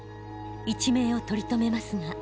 一命を取り留めますが。